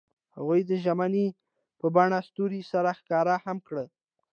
هغوی د ژمنې په بڼه ستوري سره ښکاره هم کړه.